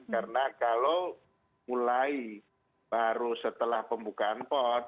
karena kalau mulai baru setelah pembukaan pon